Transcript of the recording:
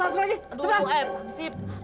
aduh eh abis itu